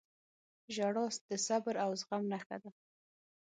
• ژړا د صبر او زغم نښه ده.